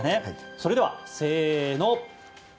それでは、せーの。